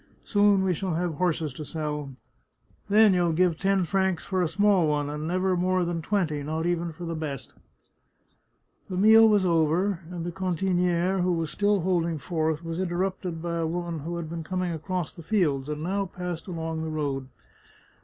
Soon we shall have horses to sell. Then you'll give 37 The Chartreuse of Parma ten francs for a small one, and never more than twenty, not even for the best !" The meal was over, and the cantiniere, who was still holding forth, was interrupted by a woman who had been coming across the fields, and now passed along the road.